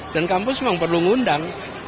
dan kampus memang perlu ngundang